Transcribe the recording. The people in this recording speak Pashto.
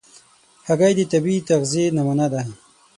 هګۍ د طبیعي تغذیې نمونه ده.